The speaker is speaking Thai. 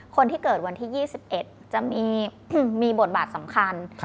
คนที่เกิดวันที่๒๑จะมีบทบาทสำคัญ